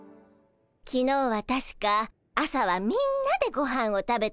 きのうはたしか朝はみんなでごはんを食べたわよね。